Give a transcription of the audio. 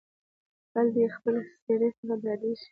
ـ غل دې خپلې سېرې څخه ډاريږي.